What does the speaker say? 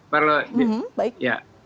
perlu disampaikan ya